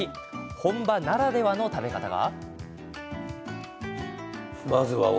本場ならではの食べ方は。